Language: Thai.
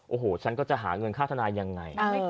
โอ้โหฉันก็จะหาเงินค่าทนายยังไง